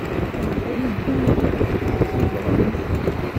Anda ay tent-teszedɣem?